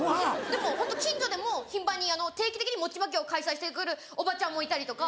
でもホント近所でも頻繁に定期的に餅まきを開催してくるおばちゃんもいたりとか。